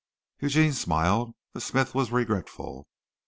Eugene smiled. The smith was regretful.